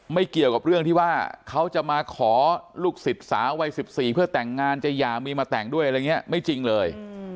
เกี่ยวกับเรื่องที่ว่าเขาจะมาขอลูกศิษย์สาววัย๑๔เพื่อแต่งงานจะหย่ามีมาแต่งด้วยอะไรอย่างนี้ไม่จริงเลย